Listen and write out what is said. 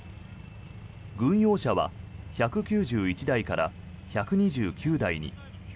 軍用車は１９１台から１２９台に。